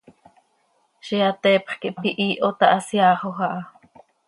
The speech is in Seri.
Ziix hateepx quih pihiih oo ta, haseaaxoj aha.